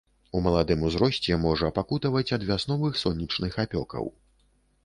У маладым узросце можа пакутаваць ад вясновых сонечных апёкаў.